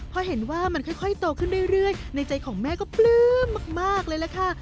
พอเห็นว่ามันค่อยโตขึ้นเรื่อยในใจของแม่ก็ปลื้มมากเลยล่ะค่ะ